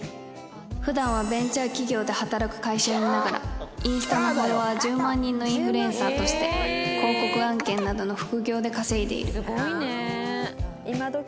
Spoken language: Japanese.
普段はベンチャー企業で働く会社員ながらインスタのフォロワー１０万人のインフルエンサーとして広告案件などの副業で稼いでいる